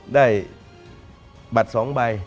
ได้บัตร๒ใบ